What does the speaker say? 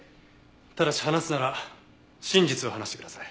ただし話すなら真実を話してください。